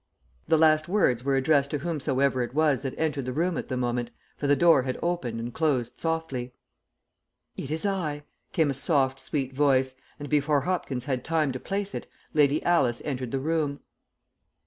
The last words were addressed to whomsoever it was that entered the room at the moment, for the door had opened and closed softly. "It is I," came a soft, sweet voice, and before Hopkins had time to place it, Lady Alice entered the room.